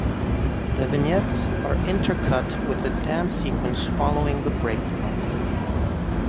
The vignettes are intercut with the dance sequence following the breakdown.